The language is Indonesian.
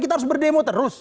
kita harus berdemo terus